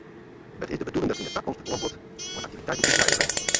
It is de bedoeling dat yn 'e takomst it oanbod oan aktiviteiten útwreide wurdt.